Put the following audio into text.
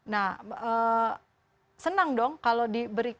nah senang dong kalau diberikan